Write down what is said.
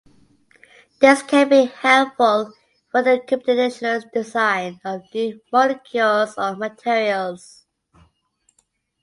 This can be helpful for the computational design of new molecules or materials.